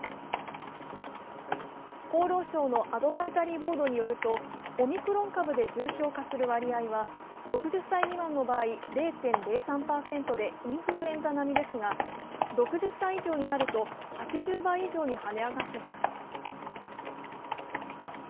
厚労省のアドバイザリーボードによるとオミクロン株で重症化する割合は６０歳未満の場合、０．０３％でインフルエンザ並みですが６０歳以上になると、８０倍以上にはね上がっています。